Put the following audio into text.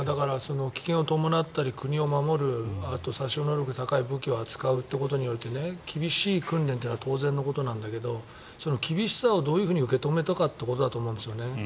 危険が伴ったり国を守る殺傷能力が高い武器を扱うというのは厳しい訓練というのは当然のことなんだけどその厳しさをどう受け止めたかということだと思うんですね。